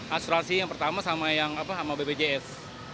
asuransi yang pertama sama bpjs